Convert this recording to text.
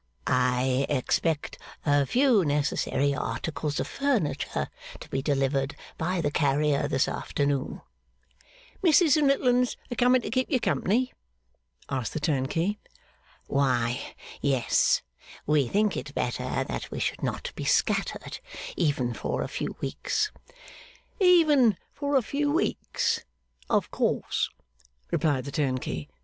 'I expect a few necessary articles of furniture to be delivered by the carrier, this afternoon.' 'Missis and little 'uns a coming to keep you company?' asked the turnkey. 'Why, yes, we think it better that we should not be scattered, even for a few weeks.' 'Even for a few weeks, of course,' replied the turnkey.